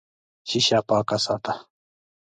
شیشه پاکه ساته.